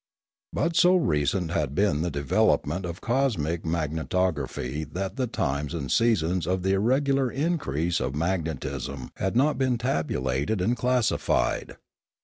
But so recent had been the development of cosmic magnetography that the times and seasons of the irregular increase of mag netism had not been tabulated and classified.